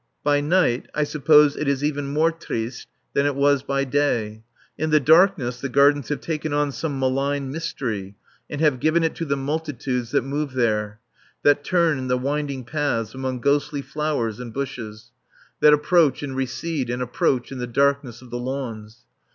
By night I suppose it is even more "triste" than it was by day. In the darkness the gardens have taken on some malign mystery and have given it to the multitudes that move there, that turn in the winding paths among ghostly flowers and bushes, that approach and recede and approach in the darkness of the lawns.